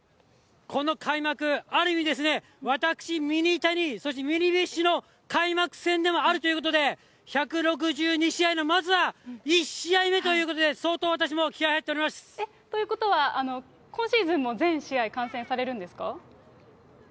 この開幕、ある意味ですね、私ミニタニ、そしてミニビッシュの開幕戦でもあるということで、１６２試合のまずは１試合目ということで、ということは、今シーズンも全試合観戦されるんですか？